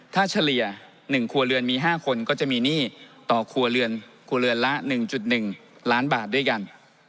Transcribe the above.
ถ้าเฉลี่ย๑ครัวเรือนมี๕คนก็จะมีหนี้ต่อครัวเรือนครัวเรือนละ๑๑ล้านบาทด้วยกัน